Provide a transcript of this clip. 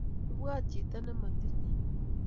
ibwaat chito ne matinye